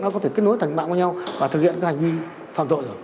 nó có thể kết nối thành mạng với nhau và thực hiện hành vi phạm tội